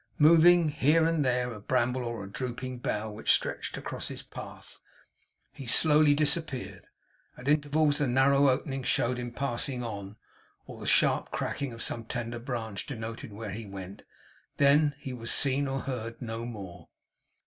Moving, here and there a bramble or a drooping bough which stretched across his path, he slowly disappeared. At intervals a narrow opening showed him passing on, or the sharp cracking of some tender branch denoted where he went; then, he was seen or heard no more.